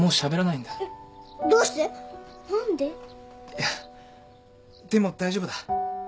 いやでも大丈夫だ。